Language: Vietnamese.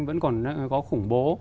vẫn còn có khủng bố